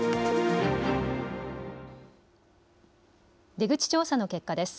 出口調査の結果です。